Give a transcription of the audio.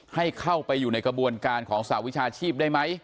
ให้เข้าไปอยู่ในกระบวนการของสหวิชาชีพได้ไหม